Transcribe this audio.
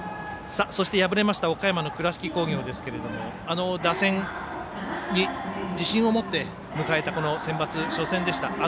そして、敗れました岡山の倉敷工業ですけども打線に自信を持って迎えたセンバツ初戦でした。